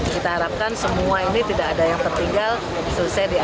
kita harapkan semua ini tidak ada yang tertinggal selesai di